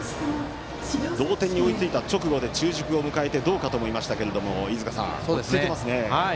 同点に追いついた直後で中軸を迎えてどうかと思いましたが落ち着いていますね。